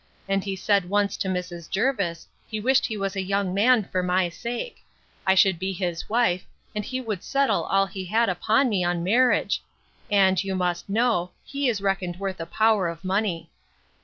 And he said once to Mrs. Jervis, he wished he was a young man for my sake; I should be his wife, and he would settle all he had upon me on marriage; and, you must know, he is reckoned worth a power of money.